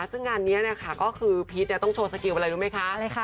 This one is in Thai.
ซึ่งงานนี้นะคะพิษต้องโชว์สกิลแบบอะไรรู้ไหมคะ